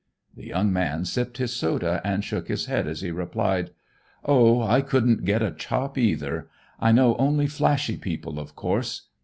The young man sipped his soda and shook his head as he replied: "Oh, I couldn't get a chop, either. I know only flashy people, of course."